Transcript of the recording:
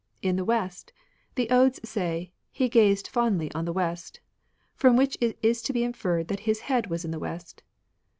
" In the West. The Odes say, He gazed fondly on the West. From which it is to be inferred that his head was in the West."